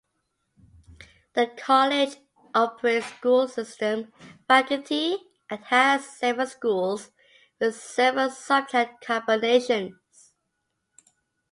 The college operates School System (Faculty) and has seven schools with several subject combinations.